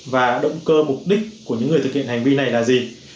và động cơ mục đích của những người thực hiện hành vi này là gì